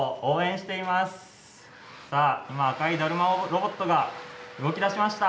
さあ今赤いだるまロボットが動きだしました。